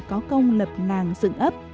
có công lập làng dựng ấp